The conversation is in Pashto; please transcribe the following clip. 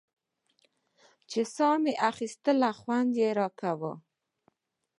ساه چې مې اخيستله خوند يې راکاوه.